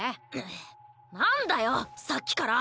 むなんだよさっきから！